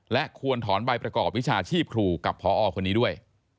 และควรถอนใบประกอบวิชาชีพครูกับพอคนนี้ด้วย